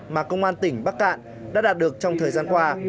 mà công an tỉnh bắc cạn đã đạt được trong thời gian qua